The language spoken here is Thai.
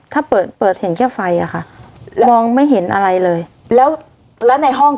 ถ้าเปิดเปิดเห็นแค่ไฟอะค่ะมองไม่เห็นอะไรเลยแล้วแล้วในห้อง